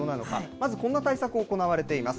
まずこんな対策、行われています。